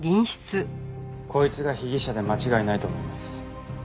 こいつが被疑者で間違いないと思います。